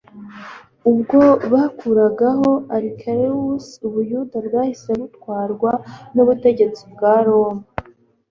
Ubwo bakuragaho Archelaus, Ubuyuda bwahise butwarwa n'ubutegetsi bwa Roma